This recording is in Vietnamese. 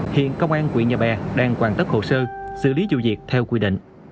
hiện công an quỹ nhà bè đang hoàn tất hồ sơ xử lý vụ việc theo quy định